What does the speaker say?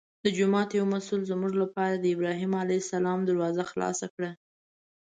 د جومات یو مسوول زموږ لپاره د ابراهیم علیه السلام دروازه خلاصه کړه.